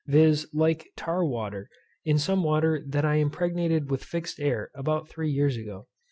viz. like tar water, in some water that I impregnated with fixed air about three years ago.